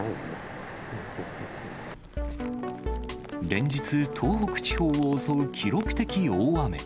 連日、東北地方を襲う記録的大雨。